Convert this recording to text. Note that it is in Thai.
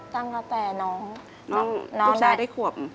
ตั้งแต่น้องน้องชายได้ขวบน้องชายได้ขวบ